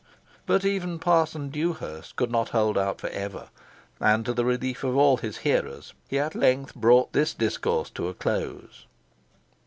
But even Parson Dewhurst could not hold out for ever, and, to the relief of all his hearers, he at length brought this discourse to a close.